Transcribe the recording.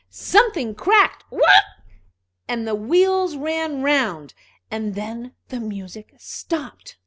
Something cracked. "Whir r r!" All the wheels ran round, and then the music stopped.